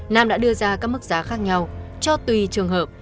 nam đã đưa ra các mức giá khác nhau cho tùy trường hợp